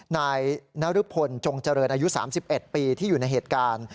นายนรพลจงเจริญอายุ๓๑ปีที่อยู่ในเหตุการณ์